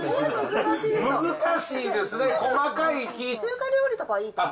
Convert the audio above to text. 難しいですね、中華料理とかはいいと思う。